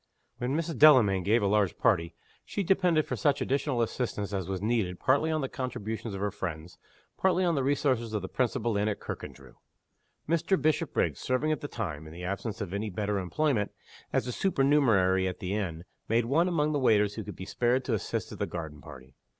When Mrs. Delamayn gave a large party, she depended for such additional assistance as was needed partly on the contributions of her friends, partly on the resources of the principal inn at Kirkandrew. Mr. Bishopriggs, serving at the time (in the absence of any better employment) as a supernumerary at the inn, made one among the waiters who could be spared to assist at the garden party.